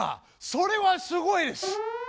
それはすごいです！